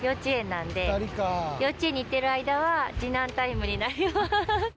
幼稚園に行ってる間は次男タイムになります。